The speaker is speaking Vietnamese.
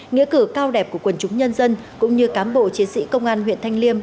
nghĩa cử cao đẹp của quần chúng nhân dân cũng như cám bộ chiến sĩ công an huyện thanh liêm